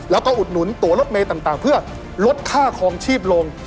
แล้วก็อุดหนุนตัวรถเมย์ต่างเพื่อลดค่าคลองชีพลง